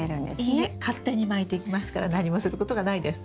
いいえ勝手に巻いていきますから何もすることがないです。